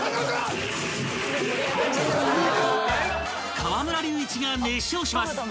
［河村隆一が熱唱します］